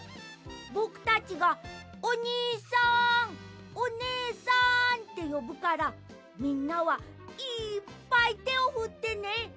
ぼくたちが「おにいさんおねえさん」ってよぶからみんなはいっぱいてをふってね。